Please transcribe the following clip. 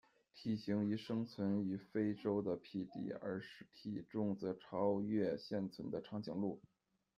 体型与生存于非洲的匹敌，而体重则超越现存的长颈鹿。